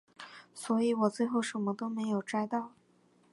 所以我最后什么都没有摘到